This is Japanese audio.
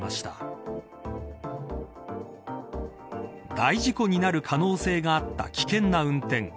大事故になる可能性があった危険な運転。